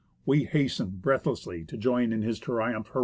We hastened breath lessly to join in his triumphant hurrah